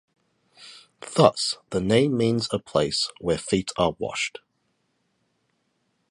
Thus the name means A place where feet are washed.